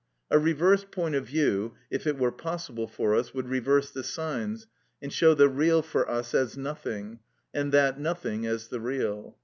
A reversed point of view, if it were possible for us, would reverse the signs and show the real for us as nothing, and that nothing as the real.